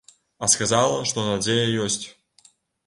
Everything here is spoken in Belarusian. А сказала, што надзея ёсць.